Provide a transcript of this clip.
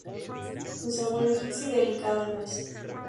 Su sabor es dulce y delicado, a nuez.